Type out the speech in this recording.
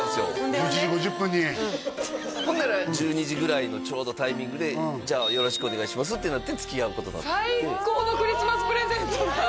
１１時５０分に１２時ぐらいのちょうどタイミングで「じゃあよろしくお願いします」ってなってつきあうことになった最高のクリスマスプレゼントだいやだ